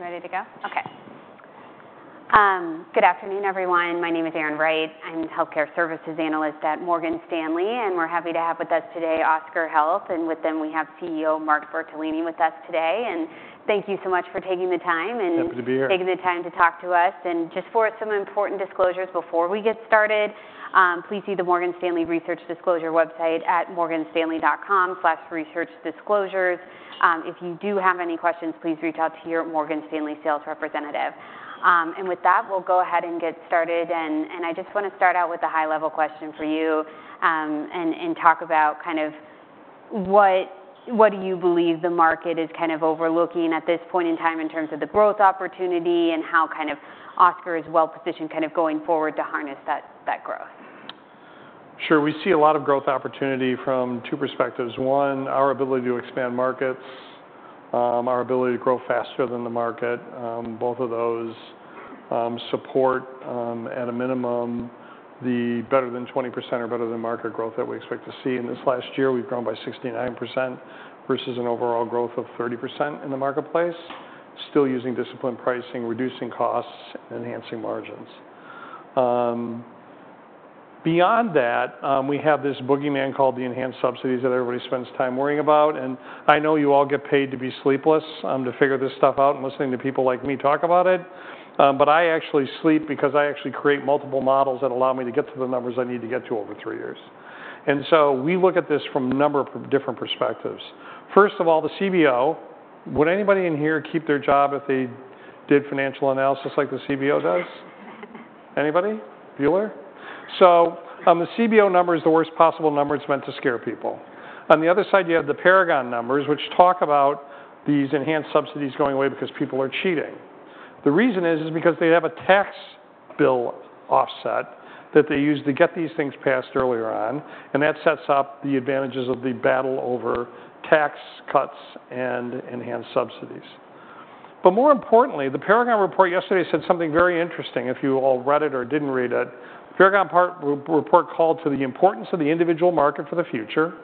Ready to go? Okay. Good afternoon, everyone. My name is Erin Wright. I'm the Healthcare Services Analyst at Morgan Stanley, and we're happy to have with us today Oscar Health, and with them we have CEO Mark Bertolini with us today, and thank you so much for taking the time and- Happy to be here. Taking the time to talk to us. And just for some important disclosures before we get started, please see the Morgan Stanley Research Disclosure website at morganstanley.com/researchdisclosures. If you do have any questions, please reach out to your Morgan Stanley sales representative. And with that, we'll go ahead and get started, and I just want to start out with a high-level question for you, and talk about kind of what do you believe the market is kind of overlooking at this point in time in terms of the growth opportunity and how kind of Oscar is well-positioned, kind of, going forward to harness that growth? Sure. We see a lot of growth opportunity from two perspectives: one, our ability to expand markets, our ability to grow faster than the market. Both of those support, at a minimum, the better than 20% or better than market growth that we expect to see. In this last year, we've grown by 69% versus an overall growth of 30% in the marketplace, still using disciplined pricing, reducing costs, and enhancing margins. Beyond that, we have this boogeyman called the enhanced subsidies that everybody spends time worrying about, and I know you all get paid to be sleepless, to figure this stuff out and listening to people like me talk about it, but I actually sleep because I actually create multiple models that allow me to get to the numbers I need to get to over three years. We look at this from a number of different perspectives. First of all, the CBO, would anybody in here keep their job if they did financial analysis like the CBO does? Anybody? Bueller. So, the CBO number is the worst possible number. It's meant to scare people. On the other side, you have the Paragon numbers, which talk about these enhanced subsidies going away because people are cheating. The reason is because they have a tax bill offset that they used to get these things passed earlier on, and that sets up the advantages of the battle over tax cuts and enhanced subsidies. But more importantly, the Paragon report yesterday said something very interesting, if you all read it or didn't read it. Paragon report called to the importance of the individual market for the future,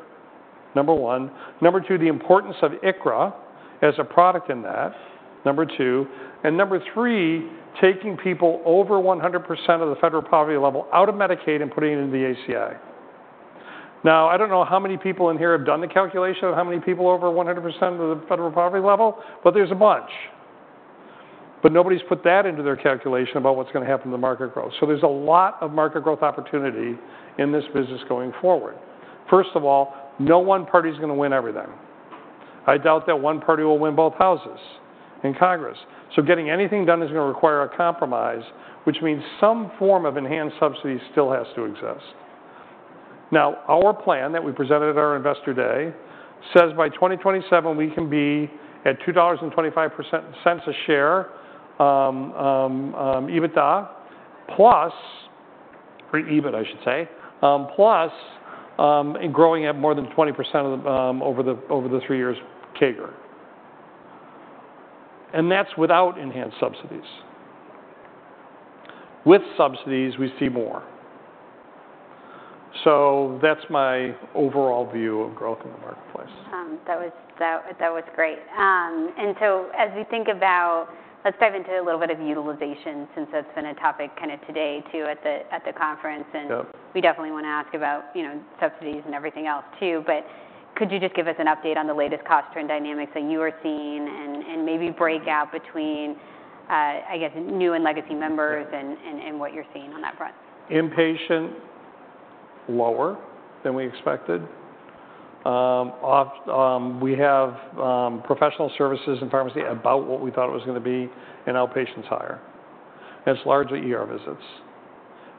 number one. Number two, the importance of ICHRA as a product in that, number two, and number three, taking people over 100% of the Federal Poverty Level out of Medicaid and putting it into the ACA. Now, I don't know how many people in here have done the calculation of how many people over 100% of the Federal Poverty Level, but there's a bunch. But nobody's put that into their calculation about what's going to happen to the market growth. So there's a lot of market growth opportunity in this business going forward. First of all, no one party is going to win everything. I doubt that one party will win both houses in Congress, so getting anything done is going to require a compromise, which means some form of enhanced subsidy still has to exist. Now, our plan that we presented at our Investor Day says by 2027, we can be at $2.25 a share, EBITDA plus... or EBIT, I should say, plus, and growing at more than 20% over the three years CAGR. And that's without enhanced subsidies. With subsidies, we see more. So that's my overall view of growth in the marketplace. That was great. And so as we think about... Let's dive into a little bit of utilization since that's been a topic kind of today, too, at the conference. Yep. And we definitely want to ask about, you know, subsidies and everything else, too. But could you just give us an update on the latest cost trend dynamics that you are seeing and maybe break out between, I guess, new and legacy members- Yeah and what you're seeing on that front? Inpatient lower than we expected. Outpatient, we have professional services and pharmacy about what we thought it was going to be, and outpatients higher, and it's largely ER visits,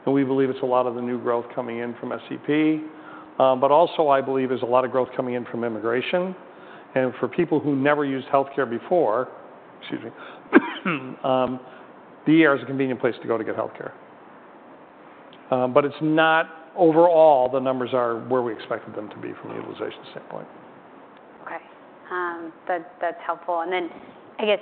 and we believe it's a lot of the new growth coming in from SEP. But also, I believe there's a lot of growth coming in from immigration, and for people who never used healthcare before, excuse me, the ER is a convenient place to go to get healthcare, but it's not. Overall, the numbers are where we expected them to be from a utilization standpoint. Okay. That's helpful. And then I guess,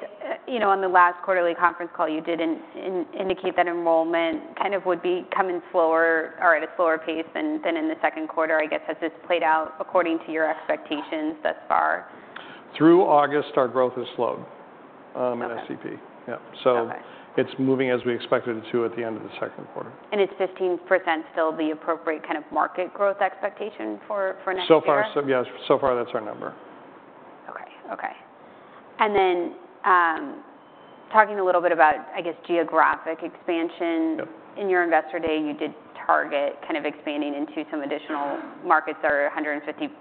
you know, on the last quarterly conference call, you did indicate that enrollment kind of would be coming slower or at a slower pace than in the second quarter. I guess, has this played out according to your expectations thus far? Through August, our growth has slowed. Okay... in SEP. Yeah. Okay. It's moving as we expected it to at the end of the second quarter. Is 15% still the appropriate kind of market growth expectation for next year? So far, so yes, so far that's our number. Okay. Okay. And then, talking a little bit about, I guess, geographic expansion. Yep. In your Investor Day, you did target kind of expanding into some additional markets or 150+ MSAs.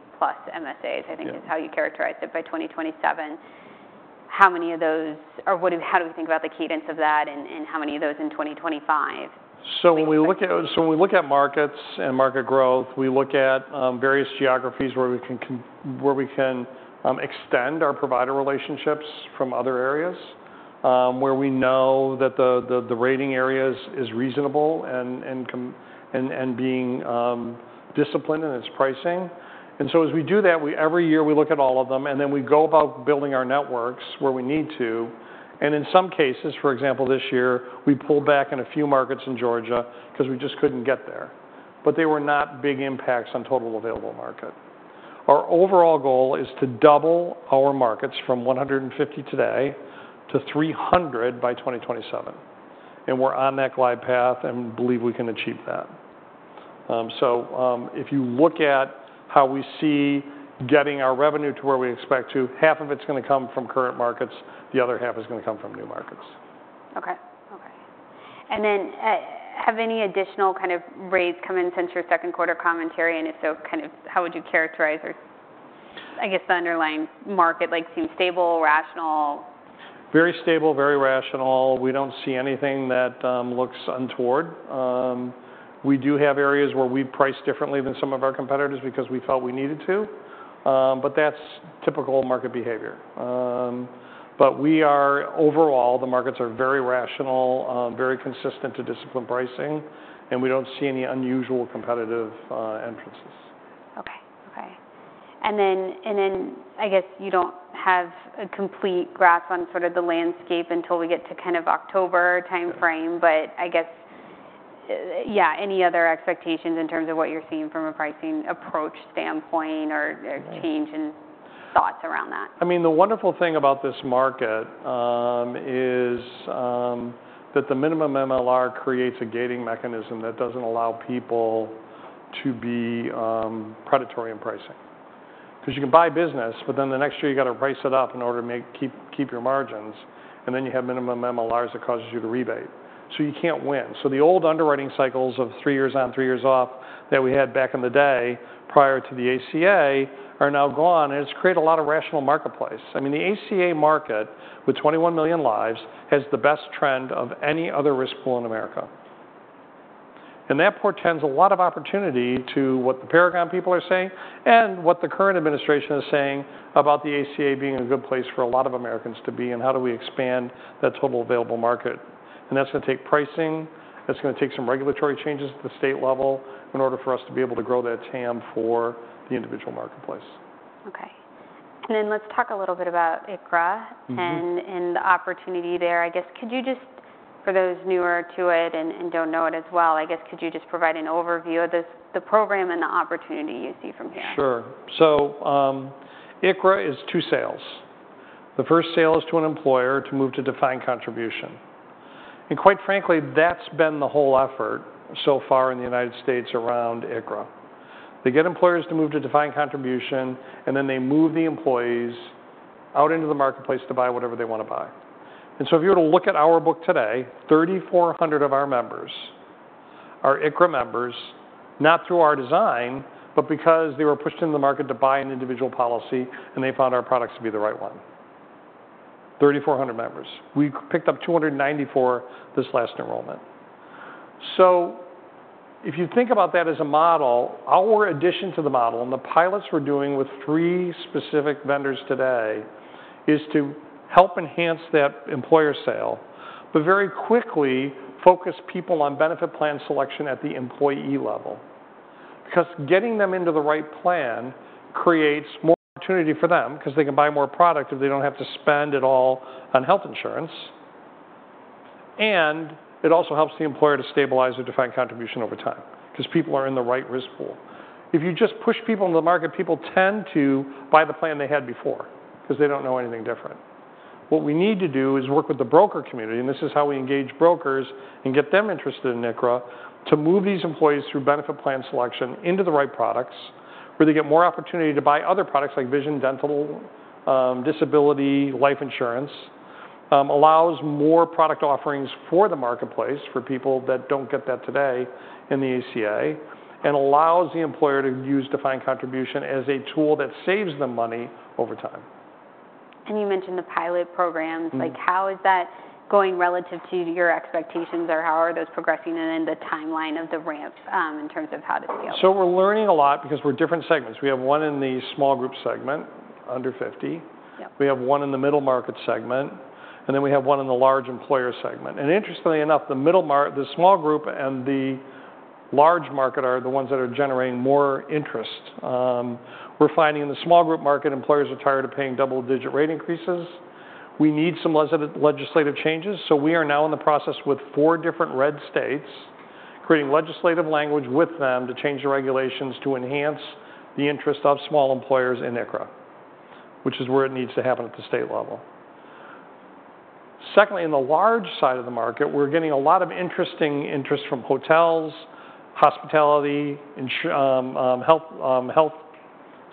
Yeah... I think is how you characterized it, by 2027. How many of those, or how do we think about the cadence of that, and how many of those in 2025? When we look at markets and market growth, we look at various geographies where we can extend our provider relationships from other areas, where we know that the rating area is reasonable and being disciplined in its pricing. As we do that, every year, we look at all of them, and then we go about building our networks where we need to. In some cases, for example, this year, we pulled back in a few markets in Georgia because we just couldn't get there, but they were not big impacts on total available market. Our overall goal is to double our markets from 150 today to 300 by 2027, and we're on that glide path, and we believe we can achieve that. If you look at how we see getting our revenue to where we expect to, half of it's gonna come from current markets, the other half is gonna come from new markets. Okay. And then, have any additional kind of rates come in since your second quarter commentary? And if so, kind of how would you characterize or, I guess, the underlying market, like, seem stable, rational? Very stable, very rational. We don't see anything that looks untoward. We do have areas where we price differently than some of our competitors because we felt we needed to, but that's typical market behavior. But overall, the markets are very rational, very consistent to disciplined pricing, and we don't see any unusual competitive entrances. Okay. And then, I guess you don't have a complete grasp on sort of the landscape until we get to kind of October timeframe. Yes. But I guess, yeah, any other expectations in terms of what you're seeing from a pricing approach standpoint or- Mm-hmm A change in thoughts around that? I mean, the wonderful thing about this market is that the minimum MLR creates a gating mechanism that doesn't allow people to be predatory in pricing. 'Cause you can buy business, but then the next year you've got to price it up in order to keep your margins, and then you have minimum MLRs that causes you to rebate, so you can't win. So the old underwriting cycles of three years on, three years off, that we had back in the day prior to the ACA, are now gone, and it's created a lot of rational marketplace. I mean, the ACA market, with 21 million lives, has the best trend of any other risk pool in America. And that portends a lot of opportunity to what the Paragon people are saying and what the current administration is saying about the ACA being a good place for a lot of Americans to be, and how do we expand that total available market? And that's gonna take pricing. That's gonna take some regulatory changes at the state level in order for us to be able to grow that TAM for the individual marketplace. Okay. And then let's talk a little bit about ICHRA- Mm-hmm... and the opportunity there. I guess, could you just, for those newer to it and don't know it as well, provide an overview of this, the program and the opportunity you see from here? Sure. So, ICHRA is two sales. The first sale is to an employer to move to defined contribution, and quite frankly, that's been the whole effort so far in the United States around ICHRA. They get employers to move to defined contribution, and then they move the employees out into the marketplace to buy whatever they want to buy. And so if you were to look at our book today, 3,400 of our members are ICHRA members, not through our design, but because they were pushed into the market to buy an individual policy, and they found our products to be the right one. 3,400 members. We picked up 294 this last enrollment. So if you think about that as a model, our addition to the model, and the pilots we're doing with three specific vendors today, is to help enhance that employer sale, but very quickly focus people on benefit plan selection at the employee level. Because getting them into the right plan creates more opportunity for them, 'cause they can buy more product if they don't have to spend it all on health insurance. And it also helps the employer to stabilize a defined contribution over time, 'cause people are in the right risk pool. If you just push people into the market, people tend to buy the plan they had before, 'cause they don't know anything different. What we need to do is work with the broker community, and this is how we engage brokers and get them interested in ICHRA, to move these employees through benefit plan selection into the right products, where they get more opportunity to buy other products like vision, dental, disability, life insurance. Allows more product offerings for the marketplace, for people that don't get that today in the ACA, and allows the employer to use defined contribution as a tool that saves them money over time. You mentioned the pilot programs. Mm-hmm. Like, how is that going relative to your expectations, or how are those progressing, and then the timeline of the ramp, in terms of how to scale? We're learning a lot because we're in different segments. We have one in the small group segment, under 50. Yep. We have one in the middle market segment, and then we have one in the large employer segment, and interestingly enough, the small group and the large market are the ones that are generating more interest. We're finding in the small group market, employers are tired of paying double-digit rate increases. We need some legislative changes, so we are now in the process with four different red states, creating legislative language with them to change the regulations to enhance the interest of small employers in ICHRA, which is where it needs to happen at the state level. Secondly, in the large side of the market, we're getting a lot of interesting interest from hotels, hospitality, insurance, health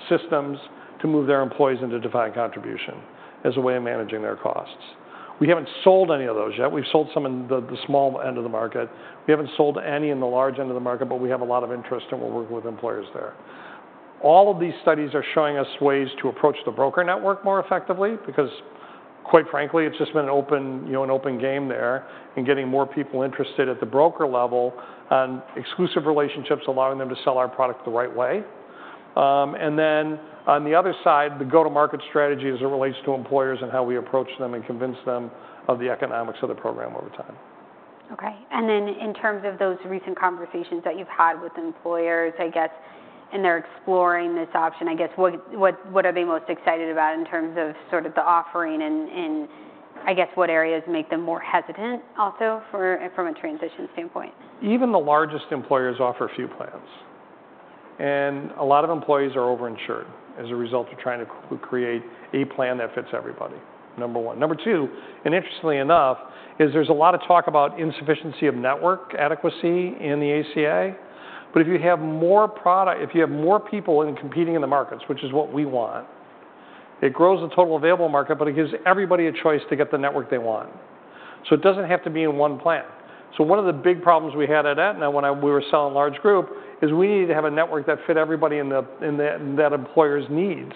systems to move their employees into defined contribution as a way of managing their costs. We haven't sold any of those yet. We've sold some in the small end of the market. We haven't sold any in the large end of the market, but we have a lot of interest, and we're working with employers there. All of these studies are showing us ways to approach the broker network more effectively because, quite frankly, it's just been an open, you know, an open game there, and getting more people interested at the broker level on exclusive relationships, allowing them to sell our product the right way, and then on the other side, the go-to-market strategy as it relates to employers and how we approach them and convince them of the economics of the program over time. Okay. And then in terms of those recent conversations that you've had with employers, I guess, and they're exploring this option, I guess, what are they most excited about in terms of sort of the offering and, I guess, what areas make them more hesitant also from a transition standpoint? Even the largest employers offer a few plans, and a lot of employees are over-insured as a result of trying to create a plan that fits everybody, number one. Number two, and interestingly enough, is there's a lot of talk about insufficiency of network adequacy in the ACA. But if you have more people competing in the markets, which is what we want, it grows the total available market, but it gives everybody a choice to get the network they want. So it doesn't have to be in one plan. So one of the big problems we had at Aetna when we were selling large group is we needed to have a network that fit everybody in the employer's needs.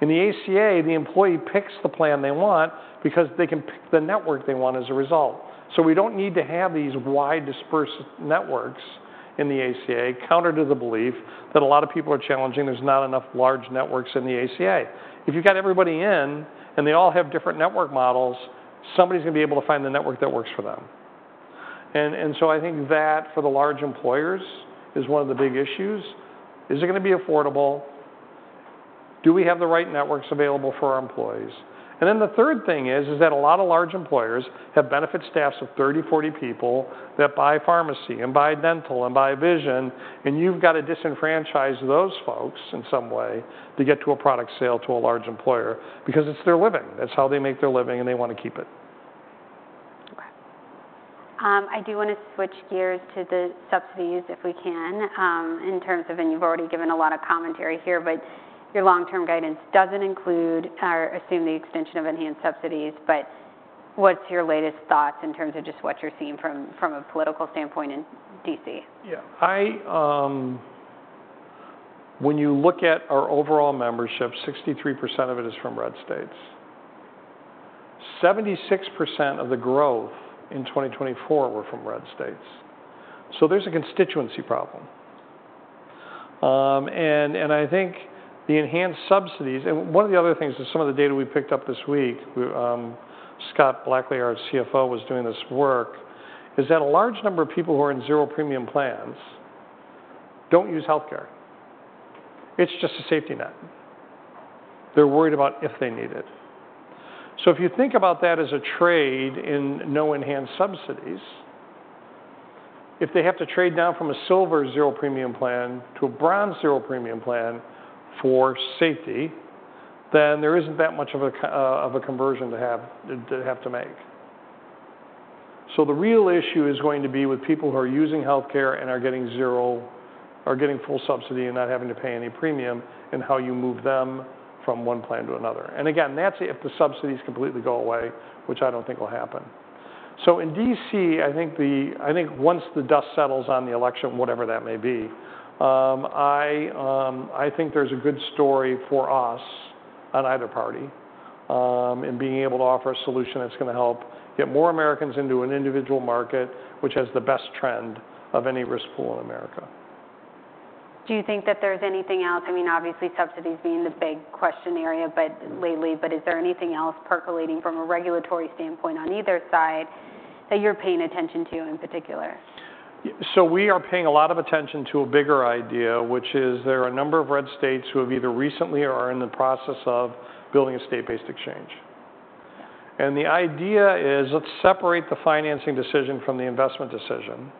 In the ACA, the employee picks the plan they want because they can pick the network they want as a result. So we don't need to have these wide dispersed networks in the ACA, counter to the belief that a lot of people are challenging, there's not enough large networks in the ACA. If you've got everybody in and they all have different network models, somebody's gonna be able to find the network that works for them. And so I think that, for the large employers, is one of the big issues: Is it gonna be affordable? Do we have the right networks available for our employees? And then the third thing is that a lot of large employers have benefit staffs of 30, 40 people that buy pharmacy, and buy dental, and buy vision, and you've got to disenfranchise those folks in some way to get to a product sale to a large employer because it's their living. That's how they make their living, and they want to keep it. Okay. I do wanna switch gears to the subsidies, if we can, in terms of... and you've already given a lot of commentary here, but your long-term guidance doesn't include or assume the extension of enhanced subsidies. But what's your latest thoughts in terms of just what you're seeing from a political standpoint in DC? Yeah. I, when you look at our overall membership, 63% of it is from red states. 76% of the growth in 2024 were from red states, so there's a constituency problem. I think the enhanced subsidies. One of the other things is some of the data we picked up this week, Scott Blackley, our CFO, was doing this work, is that a large number of people who are in zero premium plans don't use healthcare. It's just a safety net. They're worried about if they need it. So if you think about that as a trade in no enhanced subsidies, if they have to trade down from a silver zero premium plan to a bronze zero premium plan for safety, then there isn't that much of a cost of a conversion to have to make. So the real issue is going to be with people who are using healthcare and are getting full subsidy and not having to pay any premium, and how you move them from one plan to another. And again, that's if the subsidies completely go away, which I don't think will happen. So in DC, I think once the dust settles on the election, whatever that may be, I think there's a good story for us on either party, in being able to offer a solution that's gonna help get more Americans into an individual market, which has the best trend of any risk pool in America. Do you think that there's anything else? I mean, obviously, subsidies being the big question area, but is there anything else percolating from a regulatory standpoint on either side that you're paying attention to in particular? So we are paying a lot of attention to a bigger idea, which is there are a number of red states who have either recently or are in the process of building a state-based exchange. And the idea is: Let's separate the financing decision from the investment decision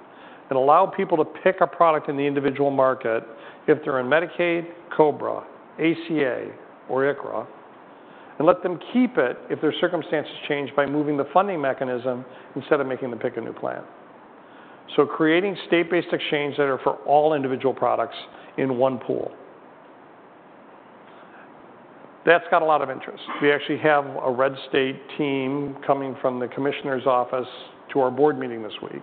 and allow people to pick a product in the individual market if they're in Medicaid, COBRA, ACA, or ICHRA, and let them keep it if their circumstances change by moving the funding mechanism instead of making them pick a new plan. So creating state-based exchanges that are for all individual products in one pool. That's got a lot of interest. We actually have a red state team coming from the commissioner's office to our board meeting this week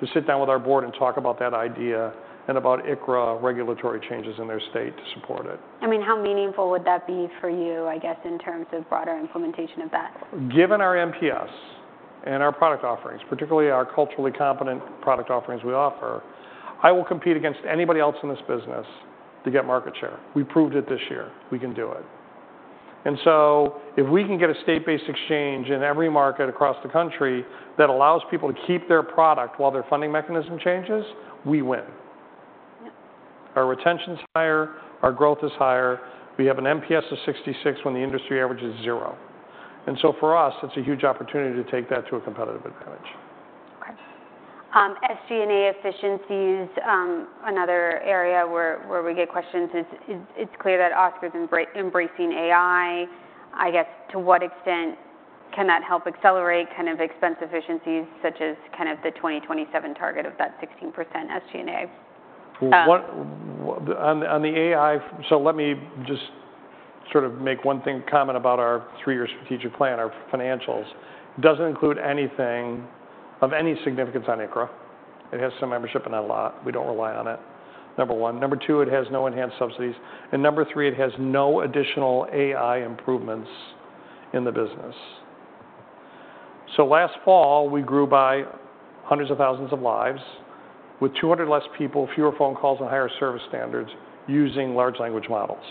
to sit down with our board and talk about that idea and about ICHRA regulatory changes in their state to support it. I mean, how meaningful would that be for you, I guess, in terms of broader implementation of that? Given our NPS and our product offerings, particularly our culturally competent product offerings we offer, I will compete against anybody else in this business to get market share. We proved it this year. We can do it, and so if we can get a state-based exchange in every market across the country that allows people to keep their product while their funding mechanism changes, we win. Yeah. Our retention's higher, our growth is higher. We have an NPS of 66 when the industry average is 0. And so for us, it's a huge opportunity to take that to a competitive advantage. Okay. SG&A efficiency is another area where we get questions. It's clear that Oscar is embracing AI. I guess, to what extent can that help accelerate kind of expense efficiencies, such as kind of the 2027 target of that 16% SG&A? On the AI. So let me just sort of make one comment about our three-year strategic plan. Our financials doesn't include anything of any significance on ICHRA. It has some membership, and a lot. We don't rely on it, number one. Number two, it has no enhanced subsidies. And number three, it has no additional AI improvements in the business. So last fall, we grew by hundreds of thousands of lives, with 200 less people, fewer phone calls, and higher service standards using large language models.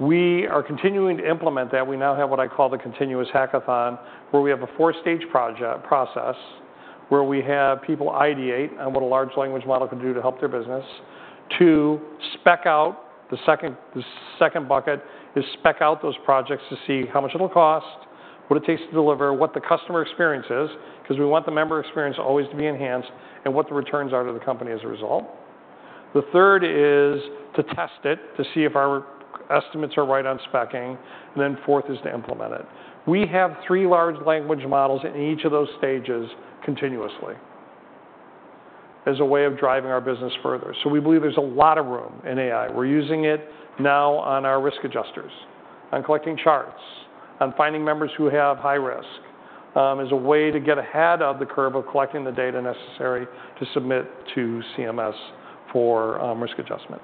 We are continuing to implement that. We now have what I call the continuous hackathon, where we have a four-stage project process, where we have people ideate on what a large language model can do to help their business to spec out. The second bucket is spec out those projects to see how much it'll cost, what it takes to deliver, what the customer experience is, 'cause we want the member experience always to be enhanced, and what the returns are to the company as a result. The third is to test it, to see if our estimates are right on specing, and then fourth is to implement it. We have three large language models in each of those stages continuously as a way of driving our business further. So we believe there's a lot of room in AI. We're using it now on our risk adjusters, on collecting charts, on finding members who have high risk, as a way to get ahead of the curve of collecting the data necessary to submit to CMS for risk adjustment.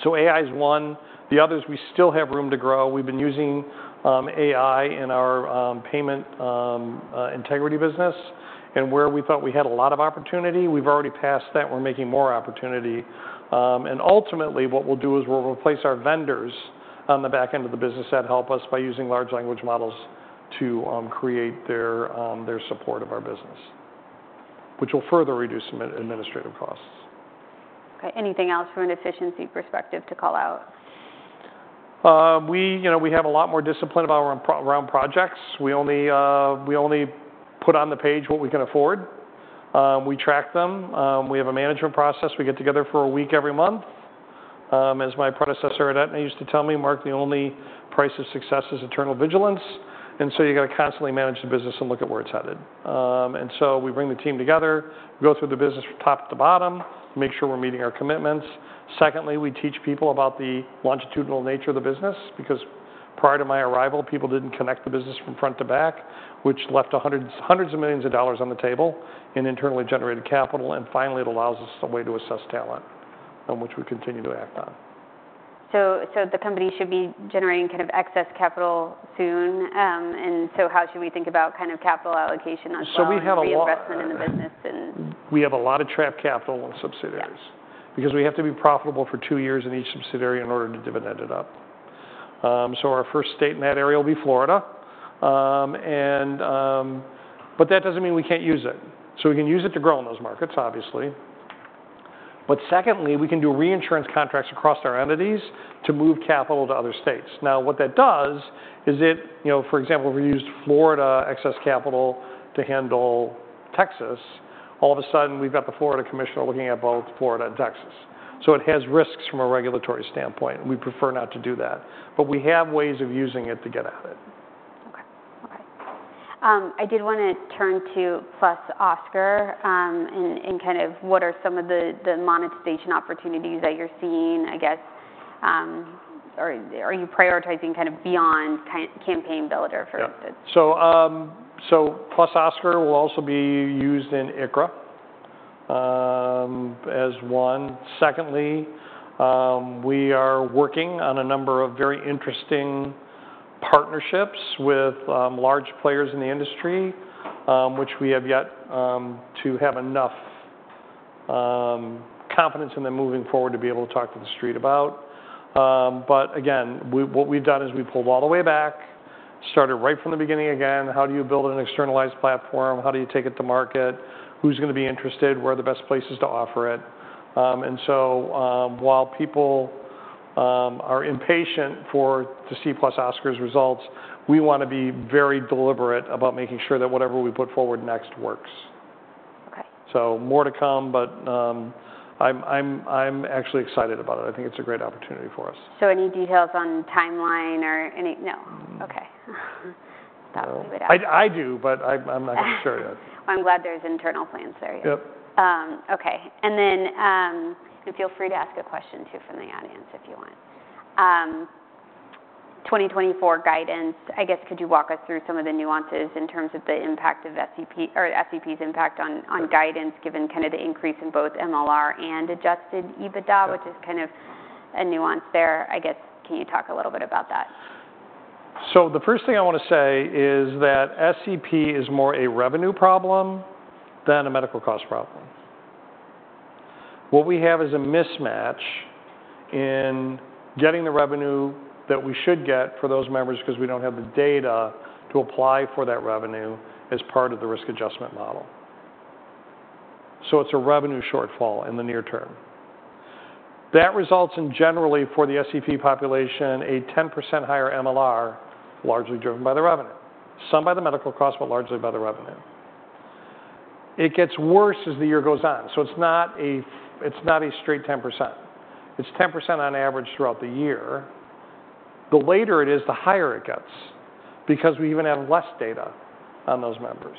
Okay. So AI is one. The other is we still have room to grow. We've been using AI in our payment integrity business. And where we thought we had a lot of opportunity, we've already passed that. We're making more opportunity. And ultimately, what we'll do is we'll replace our vendors on the back end of the business that help us by using large language models to create their support of our business, which will further reduce administrative costs. Okay, anything else from an efficiency perspective to call out? You know, we have a lot more discipline about our around projects. We only put on the page what we can afford. We track them. We have a management process. We get together for a week every month. As my predecessor at Aetna used to tell me, "Mark, the only price of success is eternal vigilance," and so you've got to constantly manage the business and look at where it's headed, and so we bring the team together, go through the business from top to bottom, make sure we're meeting our commitments. Secondly, we teach people about the longitudinal nature of the business, because prior to my arrival, people didn't connect the business from front to back, which left hundreds of millions of dollars on the table in internally generated capital. Finally, it allows us a way to assess talent, on which we continue to act on. So, the company should be generating kind of excess capital soon. And so how should we think about kind of capital allocation on- So we have a lot- reinvestment in the business, and We have a lot of trapped capital in subsidiaries- Yeah... because we have to be profitable for two years in each subsidiary in order to dividend it up. So our first state in that area will be Florida. But that doesn't mean we can't use it. So we can use it to grow in those markets, obviously. But secondly, we can do reinsurance contracts across our entities to move capital to other states. Now, what that does is it. You know, for example, if we used Florida excess capital to handle Texas, all of a sudden, we've got the Florida Commissioner looking at both Florida and Texas. So it has risks from a regulatory standpoint. We prefer not to do that, but we have ways of using it to get at it. Okay. I did wanna turn to Plus Oscar, and kind of what are some of the monetization opportunities that you're seeing, I guess, or are you prioritizing kind of beyond Campaign Builder, for instance? Yeah. So Plus Oscar will also be used in ICHRA, as one. Secondly, we are working on a number of very interesting partnerships with large players in the industry, which we have yet to have enough confidence in them moving forward to be able to talk to the street about. But again, what we've done is we pulled all the way back, started right from the beginning again. How do you build an externalized platform? How do you take it to market? Who's gonna be interested? Where are the best places to offer it? And so, while people are impatient to see Plus Oscar's results, we wanna be very deliberate about making sure that whatever we put forward next works. Okay. So more to come, but I'm actually excited about it. I think it's a great opportunity for us. So, any details on timeline or any—no? Mm-mm. Okay. So I'll leave it at that. I do, but I'm not gonna share it. I'm glad there's individual plans there. Yep. Okay, and then, feel free to ask a question, too, from the audience if you want. 2024 guidance, I guess, could you walk us through some of the nuances in terms of the impact of SEP or SEP's impact on- Sure on guidance, given kind of the increase in both MLR and adjusted EBITDA. Sure Which is kind of a nuance there, I guess. Can you talk a little bit about that? The first thing I wanna say is that SEP is more a revenue problem than a medical cost problem. What we have is a mismatch in getting the revenue that we should get for those members, because we don't have the data to apply for that revenue as part of the risk adjustment model. It's a revenue shortfall in the near term. That results in, generally, for the SEP population, a 10% higher MLR, largely driven by the revenue. Some by the medical cost, but largely by the revenue. It gets worse as the year goes on, so it's not a straight 10%. It's 10% on average throughout the year. The later it is, the higher it gets, because we even have less data on those members.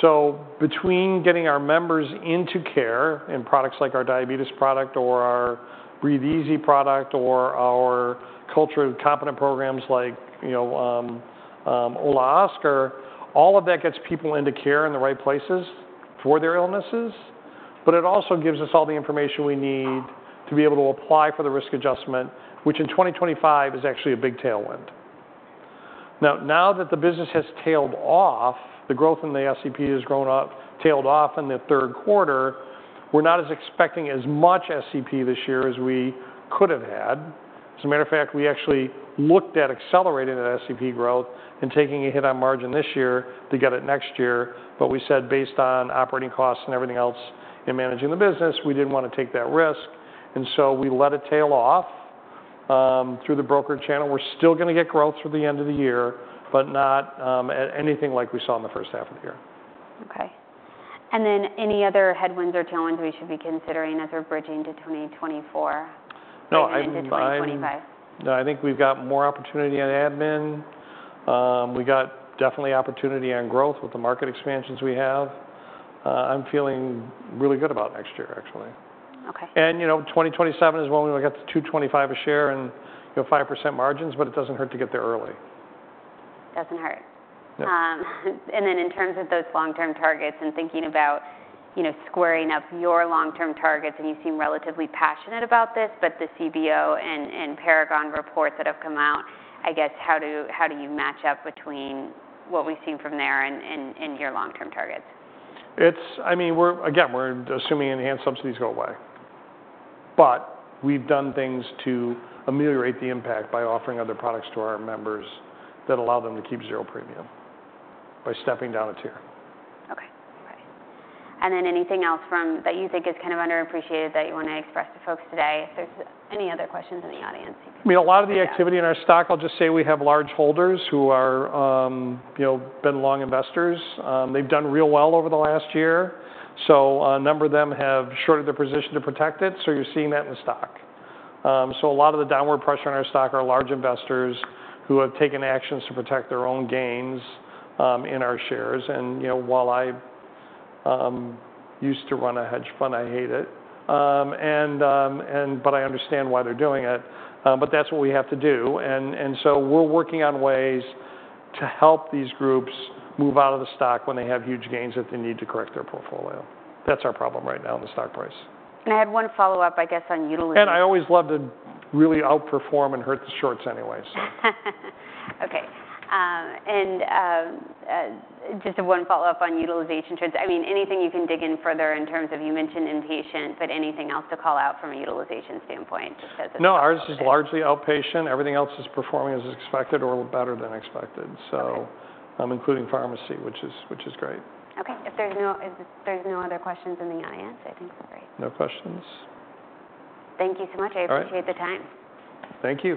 So between getting our members into care in products like our diabetes product or our Breathe Easy product or our culturally competent programs like, you know, Hola Oscar, all of that gets people into care in the right places for their illnesses, but it also gives us all the information we need to be able to apply for the risk adjustment, which in 2025 is actually a big tailwind. Now that the business has tailed off, the growth in the SEP has tailed off in the third quarter. We're not expecting as much SEP this year as we could have had. As a matter of fact, we actually looked at accelerating that SEP growth and taking a hit on margin this year to get it next year. But we said, based on operating costs and everything else in managing the business, we didn't wanna take that risk, and so we let it tail off through the broker channel. We're still gonna get growth through the end of the year, but not anything like we saw in the first half of the year. Okay. And then any other headwinds or challenges we should be considering as we're bridging to 2024? No, I'm. Twenty twenty-five. No, I think we've got more opportunity on admin. We got definitely opportunity on growth with the market expansions we have. I'm feeling really good about next year, actually. Okay. You know, 2027 is when we get to $2.25 a share and, you know, 5% margins, but it doesn't hurt to get there early. Doesn't hurt. No. And then in terms of those long-term targets and thinking about, you know, squaring up your long-term targets, and you seem relatively passionate about this, but the CBO and Paragon reports that have come out, I guess, how do you match up between what we've seen from there and your long-term targets? I mean, we're again assuming enhanced subsidies go away. But we've done things to ameliorate the impact by offering other products to our members that allow them to keep zero premium, by stepping down a tier. Okay. All right. And then anything else from that you think is kind of underappreciated that you wanna express to folks today? If there's any other questions in the audience, you can- I mean, a lot of the activity in our stock, I'll just say we have large holders who are, you know, been long investors. They've done real well over the last year, so a number of them have shorted their position to protect it, so you're seeing that in the stock. So a lot of the downward pressure on our stock are large investors who have taken actions to protect their own gains in our shares, and you know, while I used to run a hedge fund, I hate it, but I understand why they're doing it, but that's what we have to do, and so we're working on ways to help these groups move out of the stock when they have huge gains, that they need to correct their portfolio. That's our problem right now in the stock price. And I had one follow-up, I guess, on utility- and I always love to really outperform and hurt the shorts anyway, so... Okay. And, just one follow-up on utilization trends. I mean, anything you can dig in further in terms of, you mentioned inpatient, but anything else to call out from a utilization standpoint, just as- No, ours is largely outpatient. Everything else is performing as expected or better than expected. Okay. Including pharmacy, which is great. Okay. If there's no other questions in the audience, I think we're great. No questions? Thank you so much. All right. I appreciate the time. Thank you.